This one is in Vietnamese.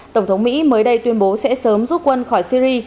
tổng thống mỹ mới đây tuyên bố sẽ sớm rút quân khỏi syri